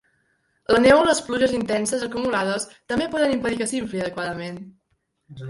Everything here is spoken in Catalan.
La neu o les pluges intenses acumulades també poden impedir que s'infli adequadament.